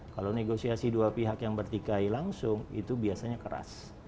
kalau negosiasi dua pihak yang bertikai langsung itu biasanya keras